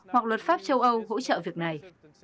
hoặc luật pháp châu âu hỗ trợ việc này